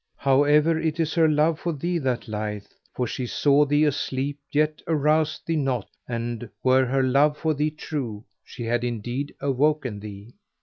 However, it is her love for thee that lieth; for she saw thee asleep yet aroused thee not and were her love for thee true, she had indeed awoken thee.